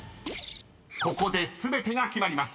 ［ここで全てが決まります］